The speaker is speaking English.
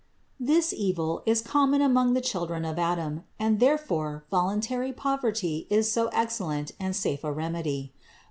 This evil is common among the children of Adam; and therefore voluntary poverty is so excellent and safe a remedy.